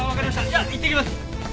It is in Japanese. じゃあいってきます！